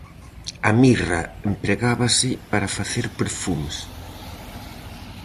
A mirra empregábase para facer perfumes.